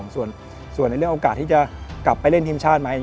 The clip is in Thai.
ส่วนในเรื่องโอกาสที่จะกลับไปเล่นทีมชาติไหม